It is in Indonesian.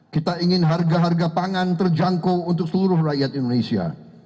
kita ingin harga harga pangan terjangkau untuk seluruh rakyat indonesia